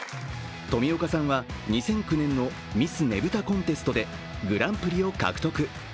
冨岡さんは２００９年のミスねぶたコンテストでグランプリを獲得。